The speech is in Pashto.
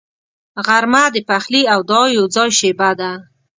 غرمه د پخلي او دعا یوځای شیبه ده